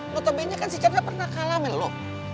notabene nya kan si chandra pernah kalah mel lo